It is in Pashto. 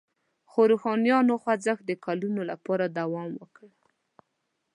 خو روښانیانو خوځښت د کلونو لپاره دوام وکړ.